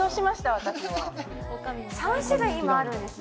私も３種類今あるんですね